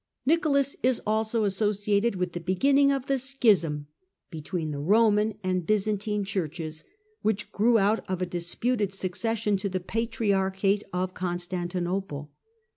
Nicolas is also associated with the beginning of the schism between the Roman and Byzantine Churches, which grew out of a disputed succession to the patriarchate of Constantinople.